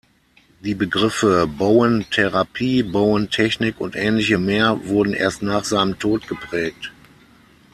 Die Begriffe „Bowen-Therapie“, „Bowen-Technik“ und ähnliche mehr wurden erst nach seinem Tod geprägt.